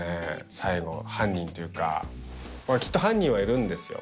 最後犯人というかこれきっと犯人はいるんですよ